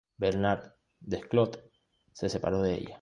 Bernat Desclot se separó de ella.